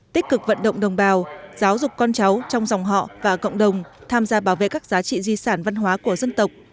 tích cực vận động đồng bào giáo dục con cháu trong dòng họ và cộng đồng tham gia bảo vệ các giá trị di sản văn hóa của dân tộc